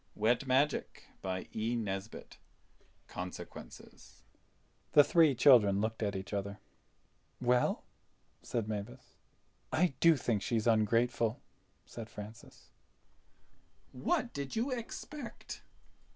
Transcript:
CHAPTER FIVE Consequences THE THREE CHILDREN looked at each other. "Well!" said Mavis. "I do think she's ungrateful," said Francis. "What did you expect?"